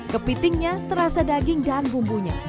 kepitingnya terasa daging dan bumbunya